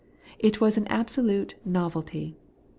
It was an absolute novelty.